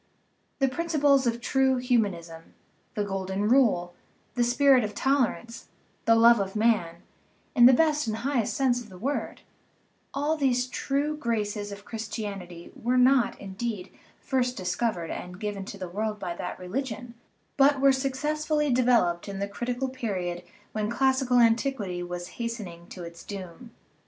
The principles of true humanism, the golden rule, the spirit of tolerance, the love of man, in the best and highest sense of the word all these true graces of Christianity were not, indeed, first discovered and given to the world by that religion, but were successfully developed in the critical period when classical antiquity was hastening to its doom.